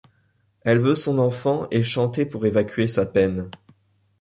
Elle veut son enfant et chanter pour évacuer sa peine.